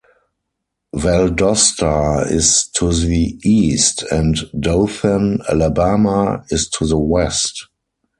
Valdosta is to the east, and Dothan, Alabama, is to the west.